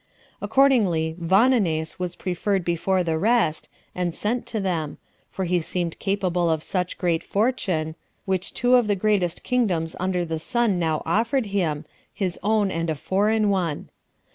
Accordingly, Vonones was preferred before the rest, and sent to them [for he seemed capable of such great fortune, which two of the greatest kingdoms under the sun now offered him, his own and a foreign one].